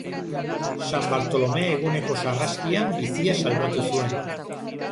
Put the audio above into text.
San Bartolome eguneko sarraskian bizia salbatu zuen.